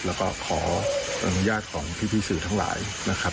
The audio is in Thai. แล้วก็ขออนุญาตของพี่สื่อทั้งหลายนะครับ